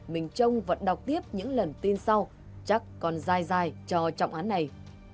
mình trông vẫn đọc tiếp những lần tin sau chắc còn dài dài cho trọng án này